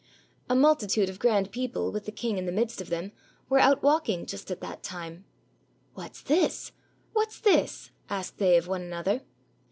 A multitude of grand people with the king in the midst of them were out walking just at that time. "What's this? what's this?" asked they of one another.